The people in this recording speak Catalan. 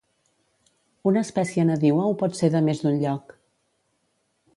Una espècie nadiua ho pot ser de més d'un lloc.